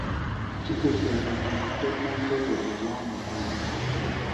Kitegeeza nti ntudde ku ntebe eza Mugula.